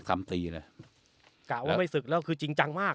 กะว่าไม่สึกแล้วคือจริงจังมาก